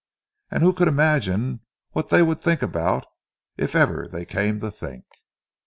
And who could imagine what they would think about it—if ever they came to think?